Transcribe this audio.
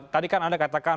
tadi kan anda katakan